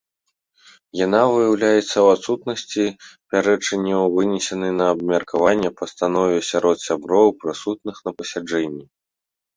Яна выяўляецца ў адсутнасці пярэчанняў вынесенай на абмеркаванне пастанове сярод сяброў, прысутных на пасяджэнні.